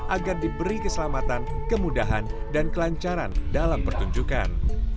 agar diberi keselamatan kemudahan dan kelancaran dalam pertunjukan